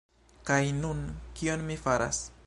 Kaj nun... kion mi faras?